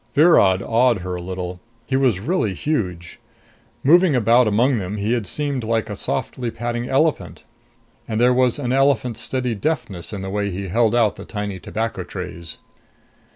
Virod awed her a little he was really huge. Moving about among them, he had seemed like a softly padding elephant. And there was an elephant's steady deftness in the way he held out the tiny tobacco trays.